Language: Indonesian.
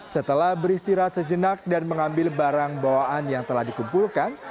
setelah beristirahat sejenak dan mengambil barang bawaan yang telah dikumpulkan